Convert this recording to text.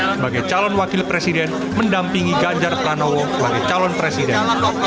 sebagai calon wakil presiden mendampingi ganjar pranowo sebagai calon presiden